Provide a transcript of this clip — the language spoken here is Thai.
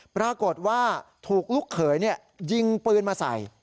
ปรากฏว่าถูกลูกเขยยิงปืนมาใส่